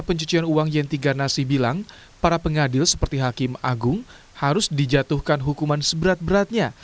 pencucian uang yenti ganasi bilang para pengadil seperti hakim agung harus dijatuhkan hukuman seberat beratnya